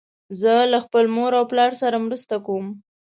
زه له خپل مور او پلار سره مرسته کوم.